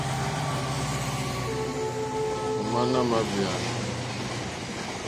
Ò má nà mà ɡbèáná.